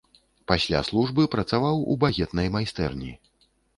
Пасля службы працаваў у багетнай майстэрні.